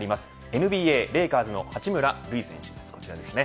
ＮＢＡレイカーズの八村塁選手です、こちらですね。